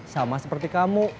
sama seperti kamu